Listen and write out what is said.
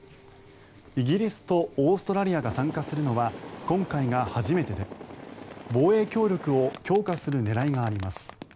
イギリスとオーストラリアが参加するのは今回が初めてで防衛協力を強化する狙いがあります。